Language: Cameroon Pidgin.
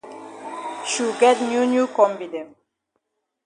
Shu get new new kombi dem.